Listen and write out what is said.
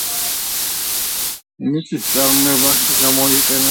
მინის წარმოებაში გამოიყენება ალუმინის ფტორიდი, ფოსფატი და ოქსიდი.